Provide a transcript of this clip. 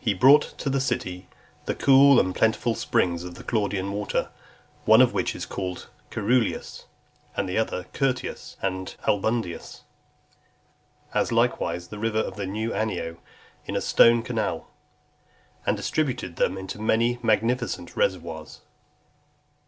He brought to the city the cool and plentiful springs of the Claudian water, one of which is called Caeruleus, and the other Curtius and Albudinus, as likewise the river of the New Anio, in a stone canal; and distributed them into many magnificent reservoirs.